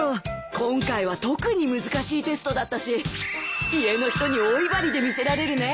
今回は特に難しいテストだったし家の人に大威張りで見せられるね。